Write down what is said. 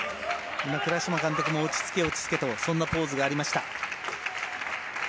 今、監督からも落ち着けとそんなポーズがありました。